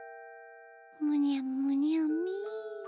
むにゃむにゃみ。